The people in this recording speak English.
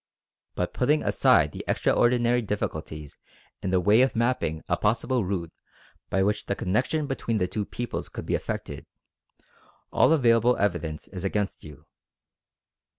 But putting aside the extraordinary difficulties in the way of mapping a possible route by which the connection between the two peoples could be effected, all available evidence is against you.